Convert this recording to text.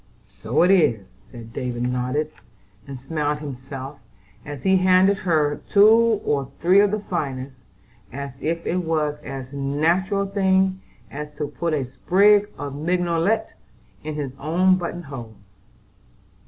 "So it is!" and David nodded, and smiled himself, as he handed her two or three of the finest, as if it was as natural a thing as to put a sprig of mignonette in his own button hole.